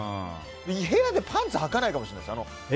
部屋でパンツはかないかもしれないです。